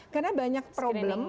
karena banyak problem